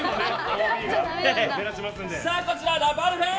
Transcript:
こちらラパルフェ！